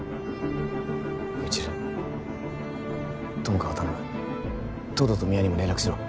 未知留友果を頼む東堂と三輪にも連絡しろ